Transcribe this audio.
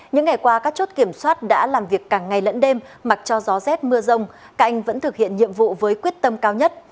những ngày qua các chốt kiểm soát đã làm việc cả ngày lẫn đêm mặc cho gió rét mưa rông các anh vẫn thực hiện nhiệm vụ với quyết tâm cao nhất